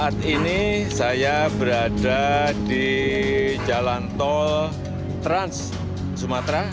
saat ini saya berada di jalan tol trans sumatera